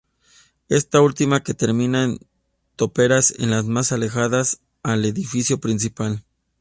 Esta última que termina en toperas es la más alejada al edificio principal.